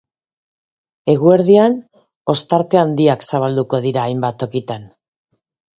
Eguerdian ostarte handiak zabalduko dira hainbat tokitan.